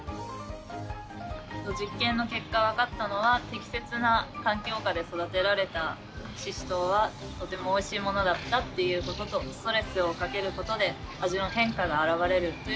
実験の結果分かったのは適切な環境下で育てられたシシトウはとてもおいしいものだったっていうこととストレスをかけることで味の変化があらわれるということが分かりました。